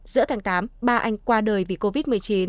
giữa tháng tám ba anh qua đời vì covid một mươi chín